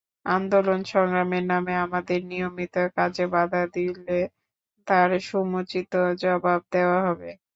আন্দোলন-সংগ্রামের নামে আমাদের নিয়মিত কাজে বাধা দিলে তার সমুচিত জবাব দেওয়া হবে।